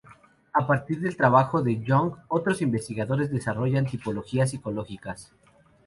A partir del trabajo de Jung, otros investigadores desarrollaron tipologías psicológicas.